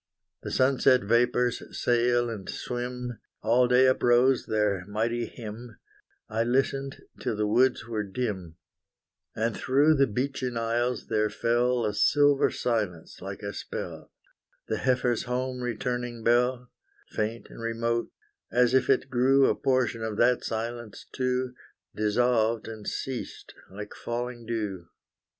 The sunset vapors sail and swim; All day uprose their mighty hymn, I listened till the woods were dim. And through the beechen aisles there fell A silver silence, like a spell. The heifer's home returning bell, Faint and remote, as if it grew A portion of that silence too, Dissolved and ceased, like falling dew.